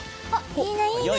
いいねいいね